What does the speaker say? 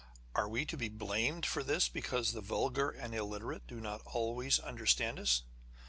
Are we to be blamed for this because the vulgar and illiterate do not always understand us